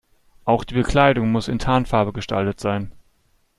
Auch die Bekleidung muss in Tarnfarbe gestaltet sein.